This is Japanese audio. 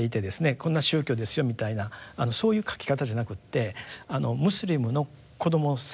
こんな宗教ですよみたいなそういう書き方じゃなくてムスリムの子どもさんＡさん